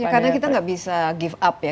karena kita gak bisa give up ya